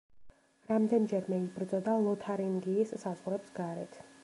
რამდენჯერმე იბრძოდა ლოთარინგიის საზღვრებს გარეთ.